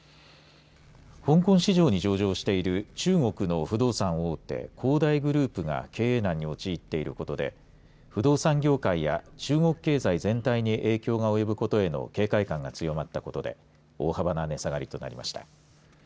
香港市場に上場している中国の不動産大手恒大グループが経営難に陥っていることで不動産業界や中国経済全体に影響が及ぶことへの警戒感が強まったことで大幅な値下がりとなりました。